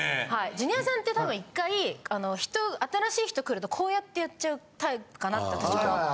ジュニアさんって多分１回新しい人来るとこうやってやっちゃうタイプかなって私は思って。